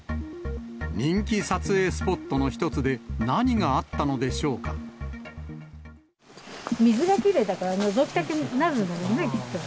人気撮影スポットの一つで、水がきれいだから、のぞきたくなるのかな、きっと。